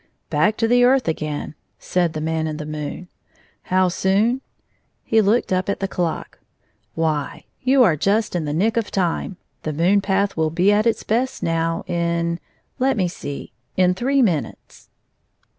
" Back to the earth again ?" said the Man in the moon, "How soon?" He looked up at the clock. " Why, you are just in the nick of time. The moon path will be at its best now in — let me see — in three minutes."